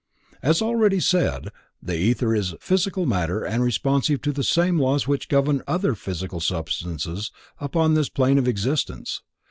As already said, the ether is physical matter and responsive to the same laws which govern other physical substances upon this plane of existence.